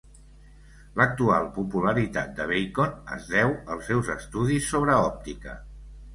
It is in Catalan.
L'actual popularitat de Bacon es deu als seus estudis sobre òptica.